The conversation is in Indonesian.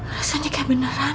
rasanya kayak beneran